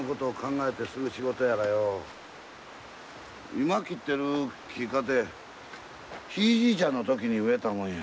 今切ってる木かてひいじいちゃんの時に植えたもんや。